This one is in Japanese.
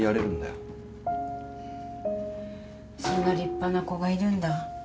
そんな立派な子がいるんだ。